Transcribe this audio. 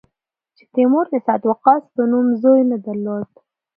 چې تیمور د سعد وقاص په نوم زوی نه درلود.